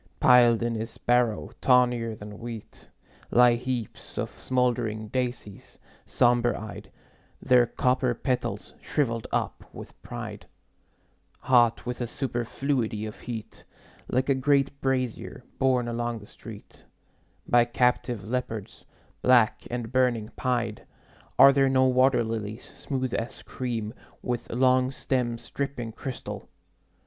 Piled in his barrow, tawnier than wheat, Lie heaps of smoldering daisies, somber eyed, Their copper petals shriveled up with pride, Hot with a superfluity of heat, Like a great brazier borne along the street By captive leopards, black and burning pied. Are there no water lilies, smooth as cream, With long stems dripping crystal?